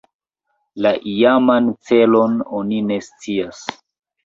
La iaman celon oni ne scias.